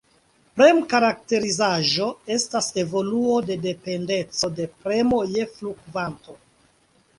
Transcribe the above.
Prem-karakterizaĵo estas evoluo de dependeco de premo je flu-kvanto.